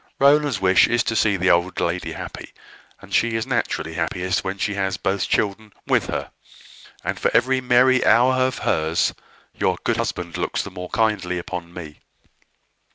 Rowland's wish is to see the old lady happy; and she is naturally happiest when she has both her children with her; and for every merry hour of hers, your good husband looks the more kindly upon me."